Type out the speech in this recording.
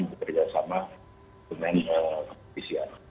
bekerjasama dengan kepolisian